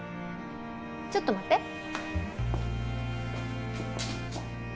ちょっと待って。